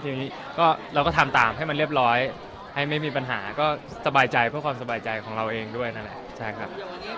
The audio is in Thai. ทีนี้ก็เราก็ทำตามให้มันเรียบร้อยให้ไม่มีปัญหาก็สบายใจเพื่อความสบายใจของเราเองด้วยนั่นแหละใช่ครับ